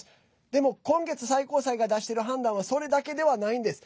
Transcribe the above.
でも今月、最高裁が出してる判断は、それだけではないんです。